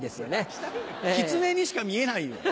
キツネにしか見えないよ。